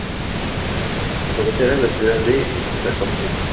Su cabecera es la ciudad de Zacapu.